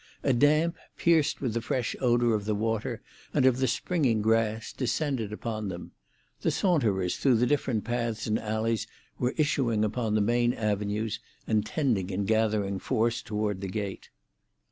A damp, pierced with the fresh odour of the water and of the springing grass, descended upon them. The saunterers through the different paths and alleys were issuing upon the main avenues, and tending in gathering force toward the gate.